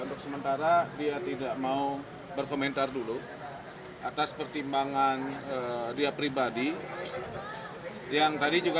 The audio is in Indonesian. untuk sementara dia tidak mau berkomentar dulu atas pertimbangan dia pribadi yang tadi juga